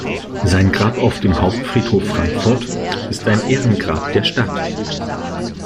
Sein Grab auf dem Hauptfriedhof Frankfurt ist ein Ehrengrab der Stadt.